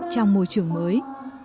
trong môi trường mới